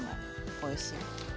おいしい！